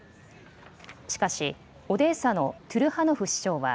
しかしオデーサのトゥルハノフ市長は